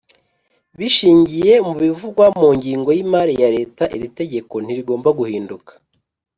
bishingiye mu bivugwa mu ngingo yi mari ya leta iri tegeko ntirigomba guhinduka